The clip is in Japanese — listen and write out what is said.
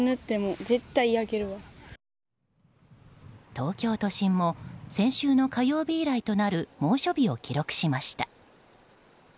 東京都心も先週の火曜日以来となる猛暑日を記録しました。